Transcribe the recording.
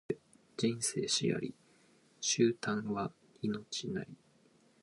人生死あり、終端は命なり